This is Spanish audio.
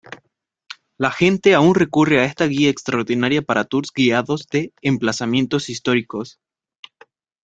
La gente aún recurre a esta guía extraordinaria para tours guiados de emplazamientos históricos.